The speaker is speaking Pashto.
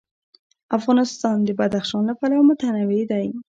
افغانستان د بدخشان له پلوه متنوع دی.